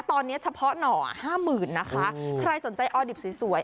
ตอนนี้เฉพาะหน่อห้าหมื่นนะคะใครสนใจออดิบสวย